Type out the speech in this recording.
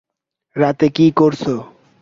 রাতে কী করছো?